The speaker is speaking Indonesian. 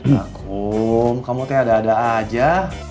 nah kum kamu tuh ada ada aja